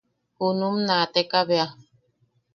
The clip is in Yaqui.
Junum naatekabea.